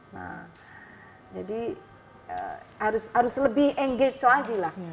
nah jadi harus lebih engage lagi lah